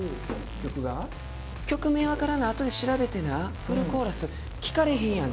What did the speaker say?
曲名わからなあとで調べてなフルコーラス聴かれへんやん